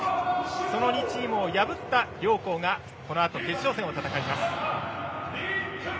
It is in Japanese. その２チームを破った両校がこのあと決勝戦を戦います。